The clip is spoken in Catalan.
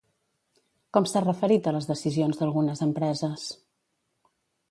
Com s'ha referit a les decisions d'algunes empreses?